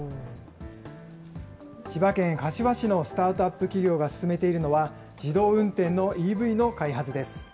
千葉県柏市のスタートアップ企業が進めているのは、自動運転のＥＶの開発です。